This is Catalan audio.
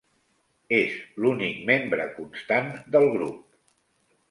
És l'únic membre constant del grup.